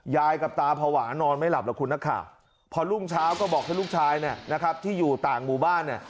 ยายกับตาภาวะนอนไม่หลับหรอกคุณนักข่าวพอรุ่งเช้าก็บอกให้ลูกชายเนี่ยนะครับที่อยู่ต่างหมู่บ้านเนี่ย